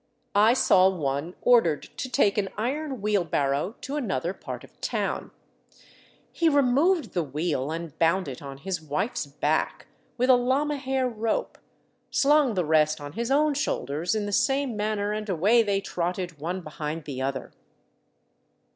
I saw one ordered to take an iron wheelbarrow to another part of town. He removed the wheel and bound it on his wife's back with a llama hair rope, slung the rest on his own shoulders in the same manner, and away they trotted one behind the other.